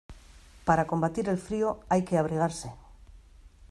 Para combatir el frío, hay que abrigarse.